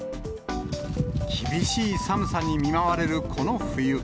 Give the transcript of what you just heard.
厳しい寒さに見舞われるこの冬。